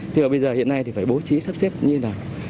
thì bây giờ hiện nay thì phải bố trí sắp xếp như thế nào